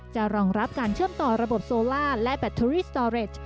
รองรับการเชื่อมต่อระบบโซล่าและแบตเทอรี่สตอเรช